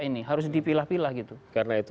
ini harus dipilah pilah gitu karena itu